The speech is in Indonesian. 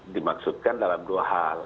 dimaksudkan dalam dua hal